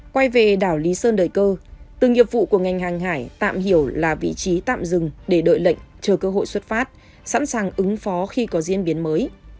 quay về đảo lý sơn đời cơ từng nghiệp vụ của ngành hàng hải tạm hiểu là vị trí tạm dừng để đợi lệnh chờ cơ hội xuất phát sẵn sàng ứng phó khi có diễn biến mới